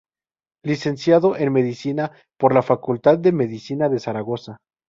Licenciado en Medicina por la Facultad de Medicina de Zaragoza.